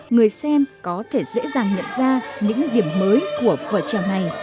người xem có thể dễ dàng nhận ra những điểm mới của vở trèo này